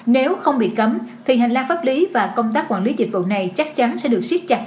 nếu không bị cấm thì hành lang pháp lý và công tác quản lý dịch vụ này chắc chắn sẽ được siết chặt